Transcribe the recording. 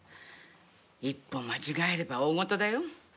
一歩間違えれば大ごとだよ。